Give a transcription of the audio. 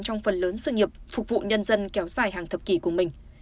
trong phần lớn sự nghiệp phục vụ nhân dân kéo dài hàng thập kỷ của mình